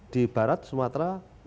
di barat sumatera